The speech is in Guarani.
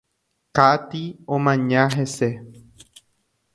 Katie omaña hese.